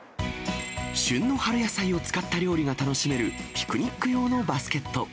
旬の春野菜を使った料理が楽しめるピクニック用のバスケット。